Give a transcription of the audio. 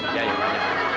ya yang banyak